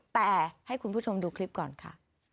แต่ให้คุณผู้ชมดูคลิปก่อนค่ะ